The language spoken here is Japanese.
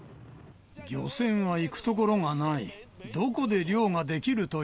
漁船は行くところがない。